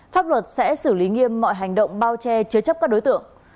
pháp luật sẽ xử lý nghiêm mọi hành động bao che chứa chấp các đối tượng